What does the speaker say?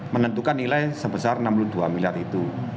menentukan nilai sebesar enam puluh dua miliar itu